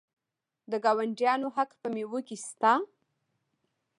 د ګاونډیانو حق په میوو کې شته.